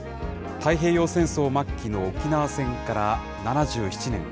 太平洋戦争末期の沖縄戦から７７年。